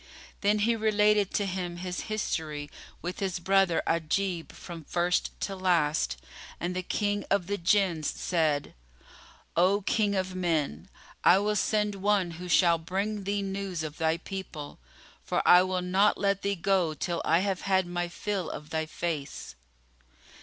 Then he related to him his history with his brother Ajib from first to last, and the King of the Jinns said, "O King of men, I will send one who shall bring thee news of thy people, for I will not let thee go till I have had my fill of thy face."